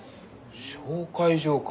紹介状か。